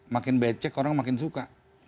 makin becek orang makin suka